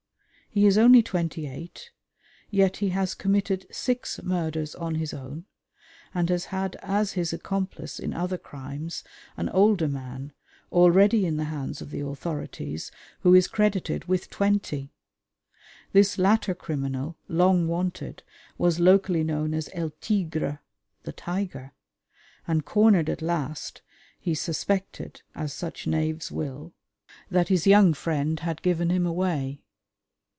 He is only twenty eight, yet he has committed six murders "on his own," and has had as his accomplice in other crimes an older man, already in the hands of the authorities, who is credited with twenty! This latter criminal, long "wanted," was locally known as El Tigre (The Tiger), and, cornered at last, he suspected, as such knaves will, that his young friend had given him away.